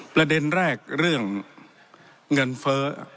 ประเด็นแรกเรื่องเงินเฟ้อ